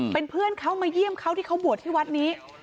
เป็นเพื่อนเขามาเยี่ยมเขาที่เขาบวชที่วัดนี้